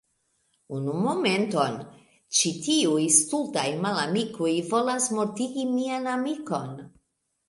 Unu momenton, ĉi tiuj stultaj malamikoj volas mortigi mian amikon.